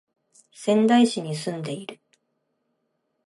仙台市に住んでいる